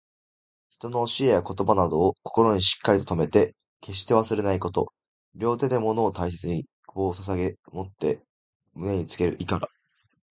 人の教えや言葉などを、心にしっかりと留めて決して忘れないこと。両手で物を大切に捧ささげ持って胸につける意から。